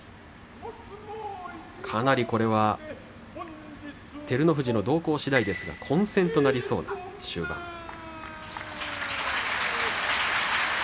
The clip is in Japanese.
かなりこれは照ノ富士の動向しだいですが混戦となりそうな終盤です。